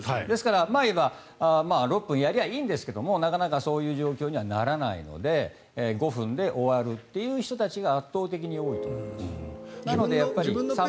ですから６分やればいいんですけどなかなかそういう状況にはならないので５分で終わるという人たちが圧倒的に多いと思います。